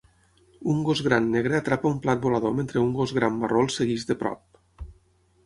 Un gos gran negre atrapa un plat volador mentre un gos gran marró el segueix de prop.